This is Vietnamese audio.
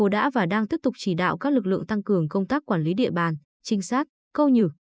được lượng tăng cường công tác quản lý địa bàn trinh sát câu nhử